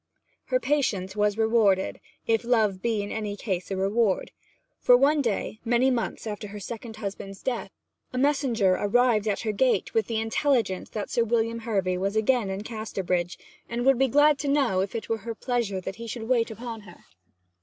Her patience was rewarded (if love be in any case a reward); for one day, many months after her second husband's death, a messenger arrived at her gate with the intelligence that Sir William Hervy was again in Casterbridge, and would be glad to know if it were her pleasure that he should wait upon her.